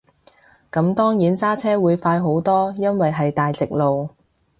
咁當然揸車會快好多，因為係大直路